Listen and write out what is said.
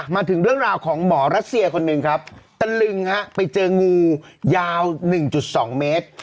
มาถึงเรื่องราวของหมอรัสเซียคนหนึ่งครับตะลึงฮะไปเจองูยาว๑๒เมตร